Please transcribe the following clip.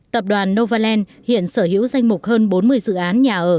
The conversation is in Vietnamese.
tập đoàn novaland hiện sở hữu danh mục hơn bốn mươi dự án nhà ở